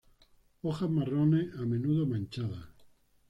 Hojas marrones a menudo manchadas.